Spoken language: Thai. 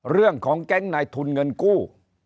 เรื่องของแก๊งนายทุนเงินกู้